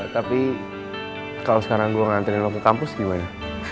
tapi kalau sekarang gua nganterin lu ke kampus gimana